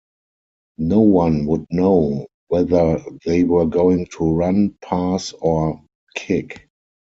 No one would know whether they were going to run, pass or kick.